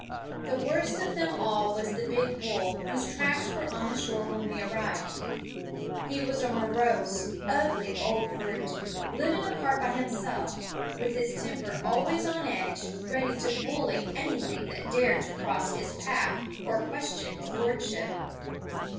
The worst of them all was the big bull whose tracks were on the shore when we arrived. He was a morose, ugly old brute, living apart by himself, with his temper always on edge ready to bully anything that dared to cross his path or question his lordship.